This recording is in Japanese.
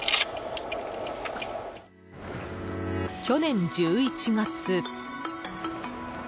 去年１１月。